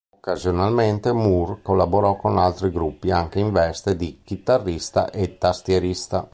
Occasionalmente Moore collaborò con altri gruppi anche in veste di chitarrista e tastierista.